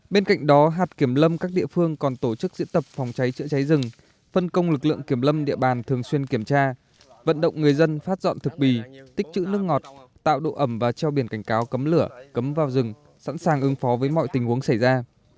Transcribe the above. bên cạnh đó hạt kiểm lâm các địa phương còn tổ chức diễn tập phòng cháy chữa cháy rừng phân công lực lượng kiểm lâm địa bàn thường xuyên kiểm tra vận động người dân phát dọn thực bì tích chữ nước ngọt tạo độ ẩm và treo biển cảnh cáo cấm lửa cấm vào rừng sẵn sàng ứng phó với mọi tình huống xảy ra